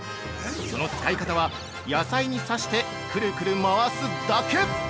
その使い方は、野菜にさしてクルクル回すだけ！